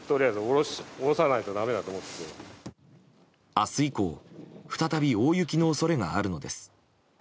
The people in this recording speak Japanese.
明日以降再び大雪の恐れがあるのです。